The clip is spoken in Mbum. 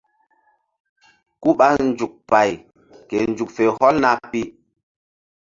Ku ɓa nzuk pay ke nzuk fe hɔlna pi.